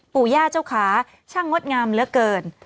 ปู่ย่าเจ้าขาช่างงดงามเหลือเกิน